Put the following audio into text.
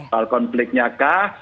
soal konfliknya kah